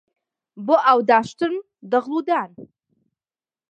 بۆ ئاو داشتن دەغڵ و دان